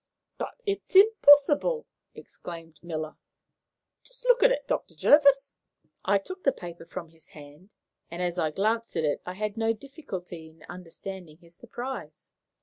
"But it's impossible!" exclaimed Miller. "Just look at it, Dr. Jervis." I took the paper from his hand, and, as I glanced at it, I had no difficulty in understanding his surprise.